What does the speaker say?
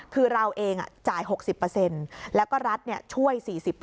คือเราเองจ่าย๖๐แล้วก็รัฐช่วย๔๐